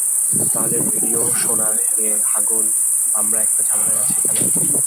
তাইলে রেডিও শোন রে হাগল, আমরা একটা ঝামেলায় আছি এখানে।